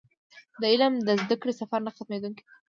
د علم د زده کړې سفر نه ختمېدونکی دی.